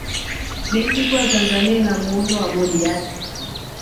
benki kuu ya tanzania ina muundo wa bodi yake